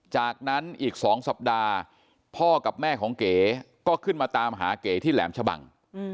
จากนั้นอีก๒สัปดาห์พ่อกับแม่ของเก๋ก็ขึ้นมาตามหาเก๋ที่แหลมชะบัง